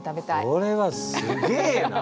これはすげえな！